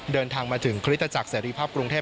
เดินทางมาถึงคริสตจักรเสรีภาพกรุงเทพ